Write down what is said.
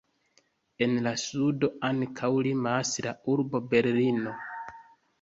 En la sudo ankaŭ limas la urbo Berlino.